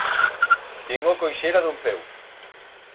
Tiengo coixera d'un peu.